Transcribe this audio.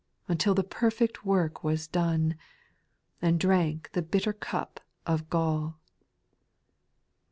Until the perfect work was done, — And drank the bitter cup of galL 4.